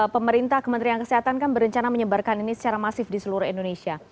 pemerintah kementerian kesehatan kan berencana menyebarkan ini secara masif di seluruh indonesia